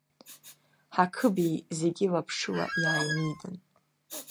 Ҳақыбеи зегьы лаԥшыла иааимидан…